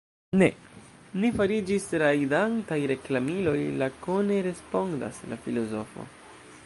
Ne; ni fariĝis rajdantaj reklamiloj, lakone respondas la filozofo.